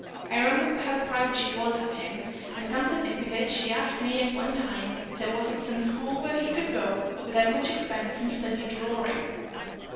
I remember how proud she was of him, and, come to think of it, she asked me at one time if there wasn't some school where he could go without much expense and study drawing.